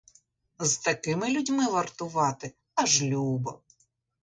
З такими людьми вартувати аж любо.